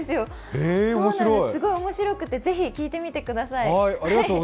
すごい面白くて是非、聴いてみてください。